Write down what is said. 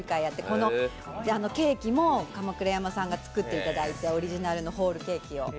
このケーキも鎌倉山さんが作っていただいて、オリジナルのホールケーキを。